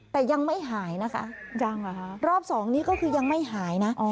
แต่ยังไม่หายนะคะยังเหรอคะรอบสองนี้ก็คือยังไม่หายนะ